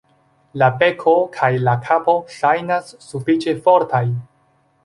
La beko kaj la kapo ŝajnas sufiĉe fortaj.